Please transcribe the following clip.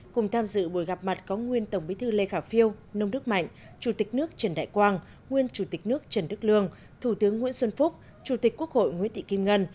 cùng tham dự buổi gặp mặt có nguyên tổng bí thư lê khả phiêu nông đức mạnh chủ tịch nước trần đại quang nguyên chủ tịch nước trần đức lương thủ tướng nguyễn xuân phúc chủ tịch quốc hội nguyễn thị kim ngân